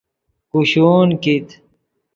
کوشون کیت